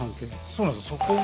そうなんですよ。